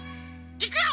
いくよ！